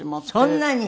そんなに！？